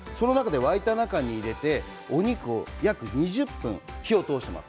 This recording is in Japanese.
沸いた中に入れて、お肉を約２０分火を通しています。